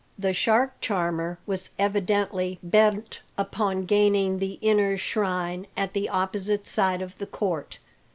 The shark charmer was evidently bent upon gaining the inner shrine at the opposite side of the court.